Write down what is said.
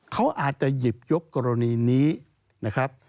เขาอาจจะหยิบยกกรณีนี้นะครับ